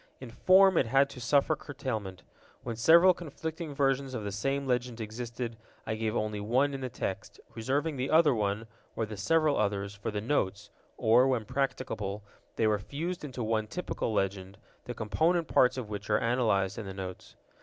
In form it had to suffer curtailment. When several conflicting versions of the same legend existed, I gave only one in the text, reserving the other one, or the several others, for the Notes, or, when practicable, they were fused into one typical legend, the component parts of which are analyzed in the Notes.